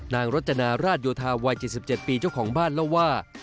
รจนาราชโยธาวัย๗๗ปีเจ้าของบ้านเล่าว่า